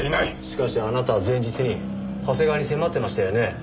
しかしあなたは前日に長谷川に迫ってましたよね？